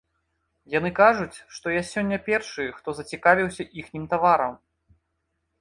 Яны кажуць, што я сёння першы, хто зацікавіўся іхнім таварам.